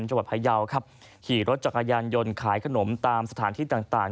จังหวัดพยาวครับขี่รถจักรยานยนต์ขายขนมตามสถานที่ต่างต่าง